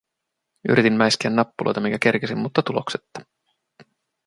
Yritin mäiskiä nappuloita, minkä kerkesin, mutta tuloksetta.